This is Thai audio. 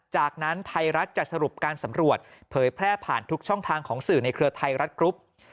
จากนั้นไทยรัฐจะสรุปการสำรวจเผยแพร่ผ่านทุกช่องทางของสื่อในเครือไทยรัฐกรุ๊ป